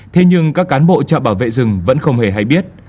thế nhưng các cán bộ trạm bảo vệ rừng vẫn không hề hay biết